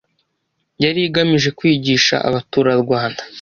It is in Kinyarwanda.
yari igamije kwigisha abaturarwanda